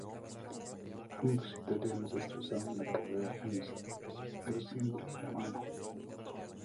Ambos italianos destrozaron la carrera en los Alpes, pero siempre "de la mano".